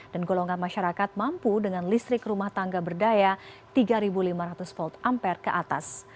dan golongan masyarakat mampu dengan listrik rumah tangga berdaya tiga lima ratus v ampere ke atas